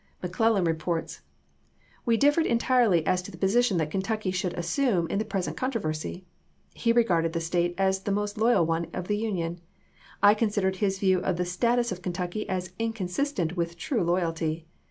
McClellan reports : We differed entirely as to the position that Kentucky should assume in the present controversy. He regarded the State as the most loyal one in the Union. I consid ered his view of the status of Kentucky as inconsistent with true loyalty.